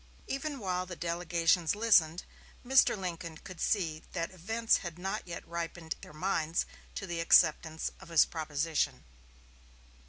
Even while the delegations listened, Mr. Lincoln could see that events had not yet ripened their minds to the acceptance of his proposition.